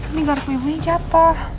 ini garam kuyuhnya jatuh